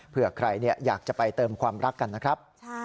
เพื่อใครอยากจะไปเติมความรักกันนะครับ